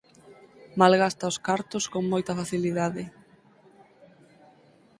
Malgasta os cartos con moita facilidade.